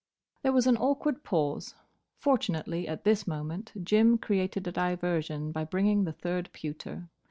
There was an awkward pause. Fortunately at this moment Jim created a diversion by bringing the third pewter.